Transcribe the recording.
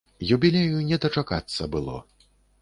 Юбілею не дачакацца было.